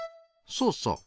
そうそう。